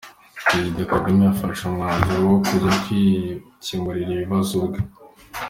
Perezida Kagame yafashe umwanzuro wo kujya kwikemurira ibi bibazo ubwe.